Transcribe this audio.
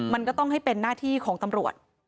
มันก็ต้องให้เป็นหน้าที่ของตำรวจ